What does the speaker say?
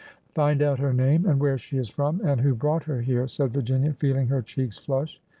Find out her name, and where she is from — and — who brought her here," said Virginia, feeling her cheeks flush.